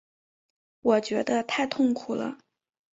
我觉得太痛苦了